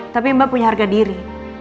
tapi mbak punya harga diri